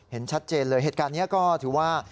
เห็นชัดเจนเลยเหตุการณ์นี้ก็ถือว่า